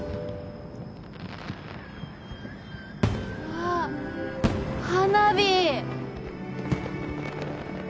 ・あっ花火！